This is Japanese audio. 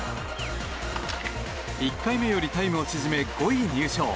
１回目よりタイムを縮め５位入賞。